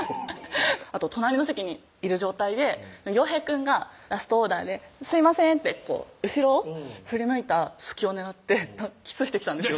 あと隣の席にいる状態でヨウヘイくんがラストオーダーで「すいません」ってこう後ろを振り向いた隙を狙ってキスしてきたんですよ